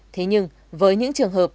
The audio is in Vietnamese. thế nhưng với những trường hợp